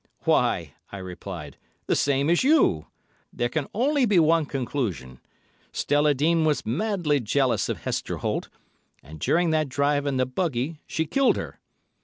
"Why," I replied, "the same as you. There can only be one conclusion. Stella Dean was madly jealous of Hester Holt, and during that drive in the buggy she killed her.